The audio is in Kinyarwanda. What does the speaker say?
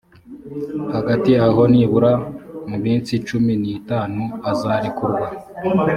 hagati aho nibura mu minsi cumi n itanu azarekurwa